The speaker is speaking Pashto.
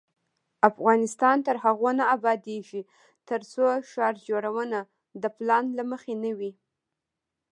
افغانستان تر هغو نه ابادیږي، ترڅو ښار جوړونه د پلان له مخې نه وي.